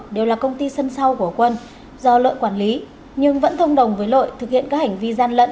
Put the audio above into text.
đều là công ty sân sau của quân do lợi quản lý nhưng vẫn thông đồng với lợi thực hiện các hành vi gian lận